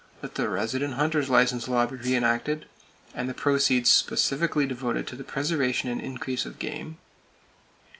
That the resident hunter's license law be re enacted, and the proceeds specifically devoted to the preservation and increase of game.